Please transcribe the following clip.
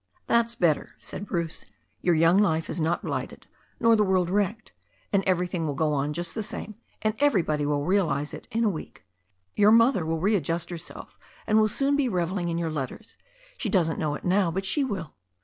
"That's better/' said Bruce. "Your young life is not blighted, nor the world wrecked. And everything will go on jus^ the same,* and everybody will realize it in a week. Your mother will readjust herself, and will soon be revelling in your letters. She doesn't know it now, but she will."